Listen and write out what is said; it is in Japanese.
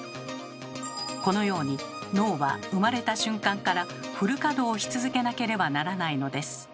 このように脳は生まれた瞬間からフル稼働し続けなければならないのです。